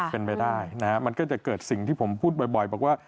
เป็นไปได้นะฮะมันก็จะเกิดสิ่งที่ผมพูดบ่อยบอกว่า